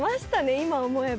今思えば。